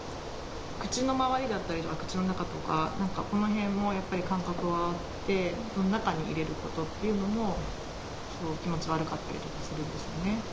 口の周りだったりとか、口の中とか、なんかこの辺もやっぱり感覚はあって、中に入れることっていうのも、気持ち悪かったりとかするんですよね。